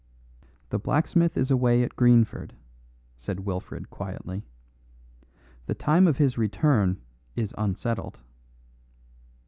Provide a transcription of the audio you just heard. "The blacksmith is away at Greenford," said Wilfred quietly; "the time of his return is unsettled."